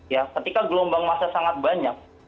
ya ketika gelombang masa sangat banyak